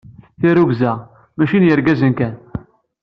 Tirrugza, mačči n yergazen kan.